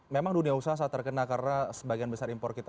memang dunia usaha saat terkena karena sebagian besar impor kita